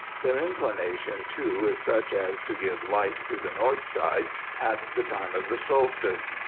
Their inclination too is such as to give light to the north side at the time of the solstice.